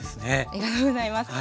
ありがとうございます。